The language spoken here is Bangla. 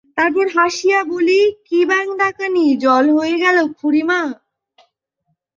তারপর হাসিয়া বলি-কি ব্যাঙ-ডাকানি জল হয়ে গেল খুড়িমা!